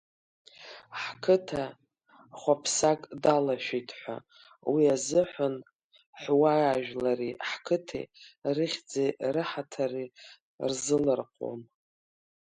Ҳқыҭа хәаԥсак далашәеит ҳәа, уи азыҳәан ҳауаажәлари ҳқыҭеи рыхьӡи раҳаҭыри рзыларҟәуам.